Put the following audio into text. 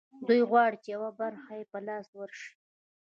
دوی غواړي چې یوه برخه یې په لاس ورشي